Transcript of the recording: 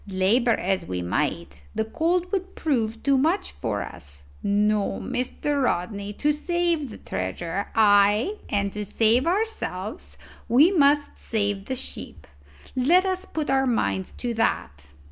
Labour as we might, the cold would prove too much for us. No, Mr. Rodney, to save the treasure, ay, and to save ourselves, we must save the ship. Let us put our minds to that."